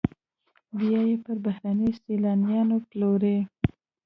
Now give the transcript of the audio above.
بیا یې پر بهرنیو سیلانیانو پلوري